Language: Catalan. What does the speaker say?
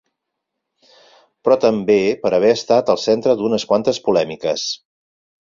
Però també per haver estat el centre d’unes quantes polèmiques.